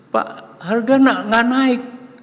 pak harga nggak naik